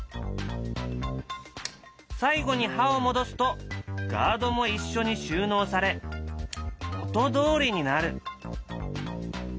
最後に刃を戻すとガードも一緒に収納され元どおりになる。